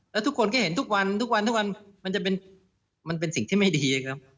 แล้วทุกคนก็เห็นทุกวันมันจะเป็นสิ่งที่ไม่ดี